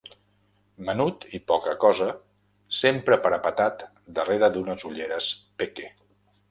Menut i poca-cosa, sempre parapetat darrere d'unes ulleres Peque.